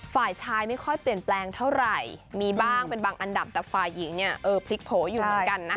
ฝ่ายชายไม่ค่อยเปลี่ยนแปลงเท่าไหร่มีบ้างเป็นบางอันดับแต่ฝ่ายหญิงเนี่ยเออพลิกโผล่อยู่เหมือนกันนะคะ